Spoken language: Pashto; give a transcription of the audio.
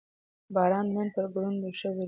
باران نن پر کروندو ښه ورېد